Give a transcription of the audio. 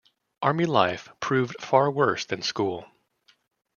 Army life proved far worse than school.